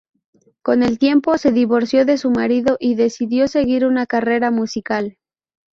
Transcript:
Con el tiempo se divorció de su marido y decidió seguir una carrera musical.